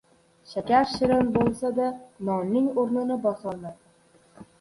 • Shakar shirin bo‘lsa-da, nonning o‘rnini bosolmaydi.